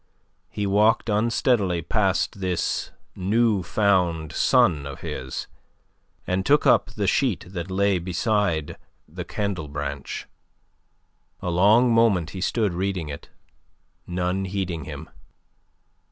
He walked unsteadily past this new found son of his, and took up the sheet that lay beside the candlebranch. A long moment he stood reading it, none heeding him.